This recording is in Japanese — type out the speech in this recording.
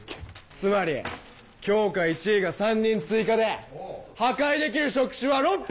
つまり教科１位が３人追加で破壊できる触手は６本！